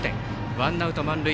ワンアウト満塁。